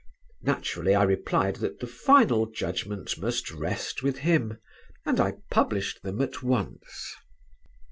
Naturally I replied that the final judgment must rest with him and I published them at once.